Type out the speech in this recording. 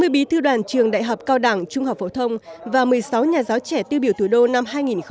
sáu mươi bí thư đoàn trường đại học cao đảng trung học phổ thông và một mươi sáu nhà giáo trẻ tiêu biểu thủ đô năm hai nghìn một mươi chín